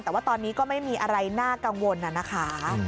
แต่ว่าตอนนี้ก็ไม่มีอะไรน่ากังวลน่ะนะคะ